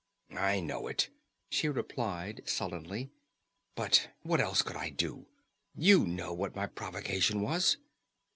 "I know it," she replied sullenly. "But what else could I do? You know what my provocation was."